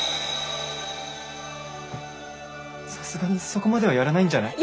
さすがにそこまではやらないんじゃない？